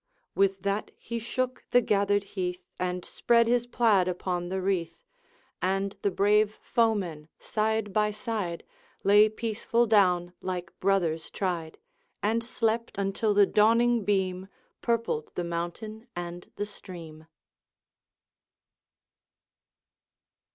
With that he shook the gathered heath, And spread his plaid upon the wreath; And the brave foemen, side by side, Lay peaceful down like brothers tried, And slept until the dawning beam Purpled the mountain and the stream.